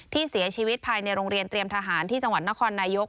ที่เสียชีวิตภายในโรงเรียนเตรียมทหารที่จังหวัดนครนายก